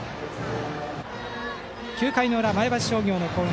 ９回の裏、前橋商業の攻撃。